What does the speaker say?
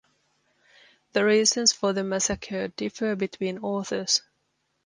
The reasons for the massacre differ between authors.